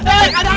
eh ada api